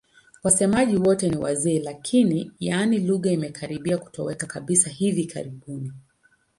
Wasemaji wote ni wazee lakini, yaani lugha imekaribia kutoweka kabisa hivi karibuni.